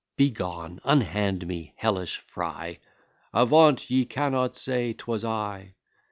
Begone; unhand me, hellish fry: "Avaunt ye cannot say 'twas I."